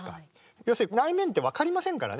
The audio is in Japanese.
要するに内面って分かりませんからね。